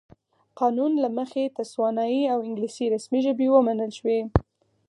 قانون له مخې تسوانایي او انګلیسي رسمي ژبې ومنل شوې.